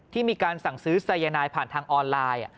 มีการสั่งซื้อสายนายผ่านทางออนไลน์